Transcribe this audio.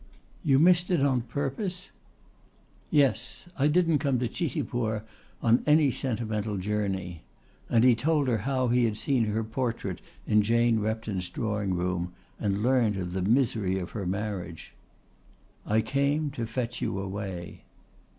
"You missed it on purpose?" "Yes. I didn't come to Chitipur on any sentimental journey"; and he told how he had seen her portrait in Jane Repton's drawing room and learnt of the misery of her marriage. "I came to fetch you away."